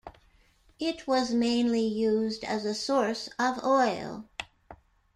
It was mainly used as a source of oil.